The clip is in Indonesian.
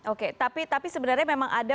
oke tapi sebenarnya memang ada